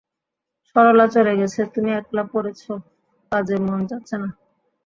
সরলা চলে গেছে, তুমি একলা পড়েছ, কাজে মন যাচ্ছে না।